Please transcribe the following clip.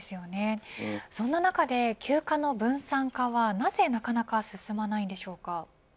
そんな中で休暇の分散化はなぜ、なかなか進まないんでしょうか。